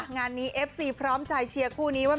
งานนี้เอฟซีพร้อมใจเชียร์คู่นี้ว่า